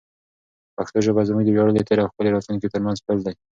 پښتو ژبه زموږ د ویاړلي تېر او ښکلي راتلونکي ترمنځ پل دی.